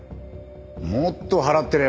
もっと払ってりゃ